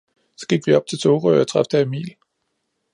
Så gik vi op til sorø og traf der emil